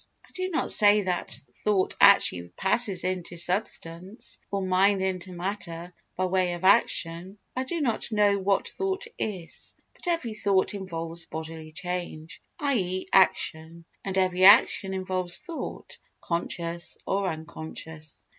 I do not say that thought actually passes into substance, or mind into matter, by way of action—I do not know what thought is—but every thought involves bodily change, i.e. action, and every action involves thought, conscious or unconscious.